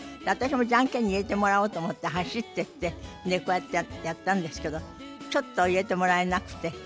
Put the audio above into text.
私もジャンケンに入れてもらおうと思って走ってってこうやってやったんですけどちょっと入れてもらえなくて。